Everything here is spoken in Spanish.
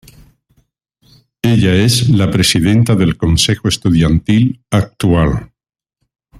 Ella es la presidenta del consejo estudiantil actual.